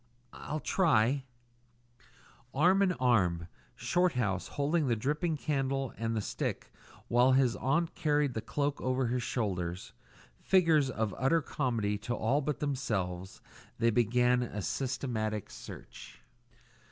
"I'll try " Arm in arm, Shorthouse holding the dripping candle and the stick, while his aunt carried the cloak over her shoulders, figures of utter comedy to all but themselves, they began a systematic search.